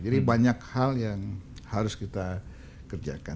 jadi banyak hal yang harus kita kerjakan